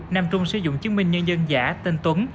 nam trung sử dụng chứng minh nhân dân giả tên tuấn